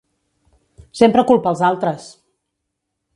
Sempre culpa als altres!